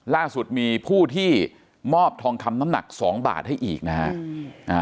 ล่าสุดมีผู้ที่มอบทองคำน้ำหนักสองบาทให้อีกนะฮะ